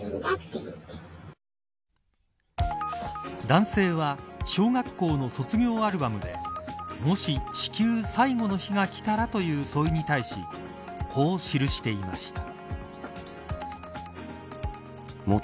男性は小学校の卒業アルバムでもし、地球最後の日がきたらという問いに対しこう記していました。